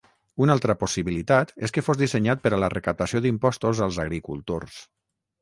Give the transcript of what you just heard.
Una altra possibilitat és què fos dissenyat per a la recaptació d'impostos als agricultors.